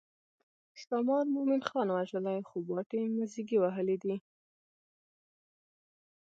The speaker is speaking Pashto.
ښامار مومن خان وژلی خو باټې موزیګي وهلي دي.